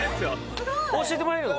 すごい教えてもらえるの？